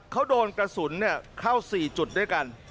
เขาโดนกระสุนเข้า๔จุดด้วยกัน